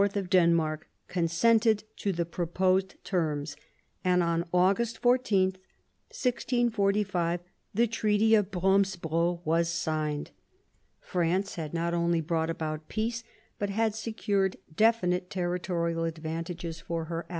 of Denmark consented to the proposed terms, and on August 14, 1645, the Treaty of Bromsebro was signed. France had not only brought about peace, but had secured definite territorial advantages for her ally.